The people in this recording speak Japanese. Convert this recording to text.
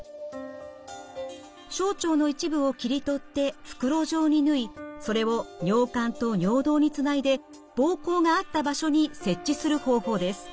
小腸の一部を切り取って袋状に縫いそれを尿管と尿道につないで膀胱があった場所に設置する方法です。